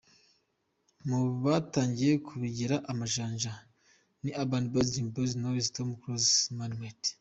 Mu batangiye kubigera amajanja ni Urban Boyz, Dream Boyz, Knowless, Tom Close, Mani Martin….